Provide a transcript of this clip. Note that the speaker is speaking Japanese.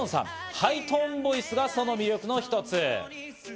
ハイトーンボイスがその魅力の一つ。